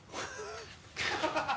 ハハハ